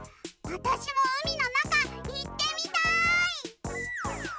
わたしもうみのなかいってみたい！